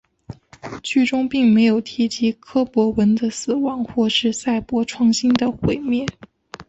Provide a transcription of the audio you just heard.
剧中并没有提及柯博文的死亡或是赛博创星的毁灭。